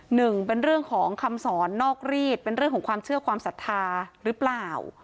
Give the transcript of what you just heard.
หนึ่งเป็นเรื่องของคำสอนนอกรีดเป็นเรื่องของความเชื่อความศรัทธาหรือเปล่า